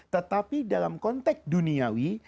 tetapi dalam konteks duniawi